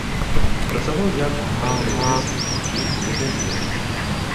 Працаваў як партрэтыст і медальер.